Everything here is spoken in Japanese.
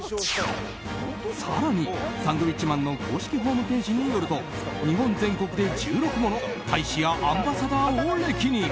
更にサンドウィッチマンの公式ホームページによると日本全国で１６もの大使やアンバサダーを歴任。